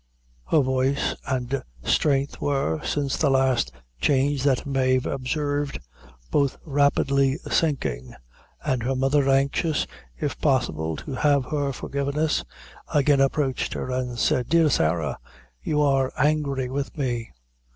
Her voice and strength were, since the last change that Mave observed, both rapidly sinking, and her mother, anxious, if possible, to have her forgiveness, again approached her and said: "Dear Sarah you are angry with me.